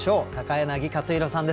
柳克弘さんです